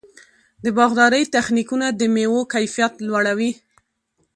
د باغدارۍ تخنیکونه د مېوو کیفیت لوړوي.